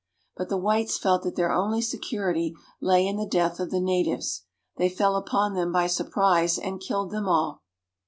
But the whites felt that their only security lay in the death of the natives ; they fell upon them by surprise and killed them all.